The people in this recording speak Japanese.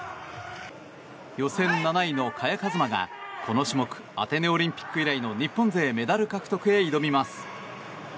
予選７位の萱和磨が、この種目アテネオリンピック以来の日本勢メダル獲得へ挑みます。